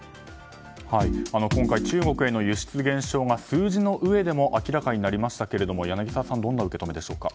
今回、中国への輸出減少が数字のうえでも明らかになりましたけれども柳澤さん、どんな受け止めですか。